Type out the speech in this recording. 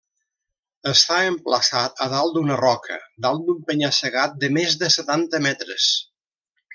Està emplaçat a dalt d'una roca, dalt d'un penya-segat de més de setanta metres.